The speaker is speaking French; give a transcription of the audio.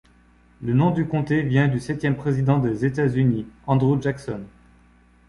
Le nom du comté vient du septième président des États-Unis Andrew Jackson.